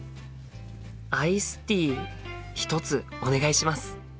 アイスティー１つお願いします。